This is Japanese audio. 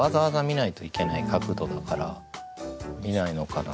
だから見ないのかなと思って。